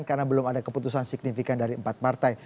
karena belum ada keputusan signifikan dari empat partai